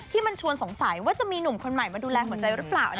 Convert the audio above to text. มันชวนสงสัยว่าจะมีหนุ่มคนใหม่มาดูแลหัวใจหรือเปล่า